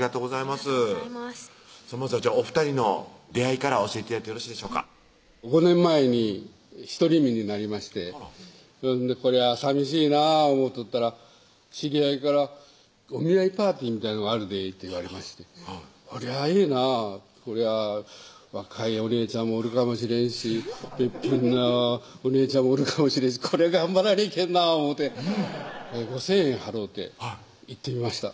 まずはお２人の出会いから教えて頂いてよろしいでしょうか５年前に独り身になりましてこりゃさみしいなぁ思とったら知り合いから「お見合いパーティーみたいなのがあるで」って言われましてこりゃええなぁこりゃ若いお姉ちゃんもおるかもしれんしべっぴんなお姉ちゃんもおるかもしれんしこりゃ頑張らにゃいけんな思て５０００円払うて行ってみました